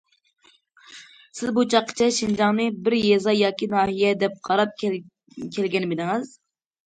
سىز بۇ چاققىچە شىنجاڭنى بىر يېزا ياكى ناھىيە دەپ قاراپ كەلگەنمىدىڭىز؟.